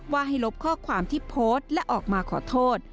ว่าให้ลบข้อความที่โพสต์และออกมาขอโทษ